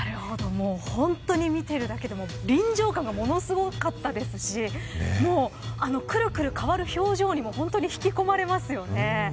もう本当に見てるだけで臨場感がものすごかったですしくるくる変わる表情にも本当に引き込まれますよね。